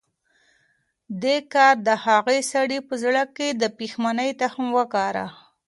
دې کار د هغه سړي په زړه کې د پښېمانۍ تخم وکره.